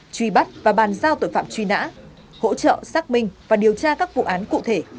truy bắt và bàn giao tội phạm truy nã hỗ trợ xác minh và điều tra các vụ án cụ thể